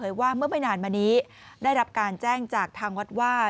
ว่าเมื่อไม่นานมานี้ได้รับการแจ้งจากทางวัดว่า